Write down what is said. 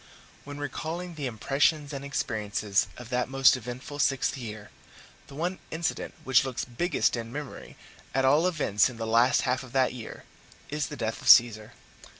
When recalling the impressions and experiences of that most eventful sixth year, the one incident which looks biggest in memory, at all events in the last half of that year, is the death of Caesar.